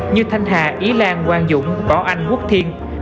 như thanh hà ý lan quang dũng bảo anh quốc thiên